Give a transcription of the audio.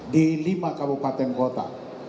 di lima kabupaten kota